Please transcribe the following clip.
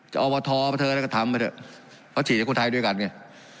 อบทมาเถอะแล้วก็ทำไปเถอะเพราะฉีดให้คนไทยด้วยกันไง